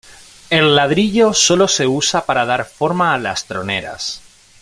El ladrillo solo se usa para dar forma a las troneras.